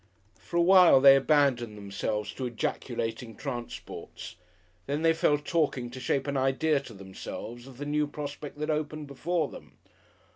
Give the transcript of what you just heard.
For a while they abandoned themselves to ejaculating transports. Then they fell talking to shape an idea to themselves of the new prospect that opened before them.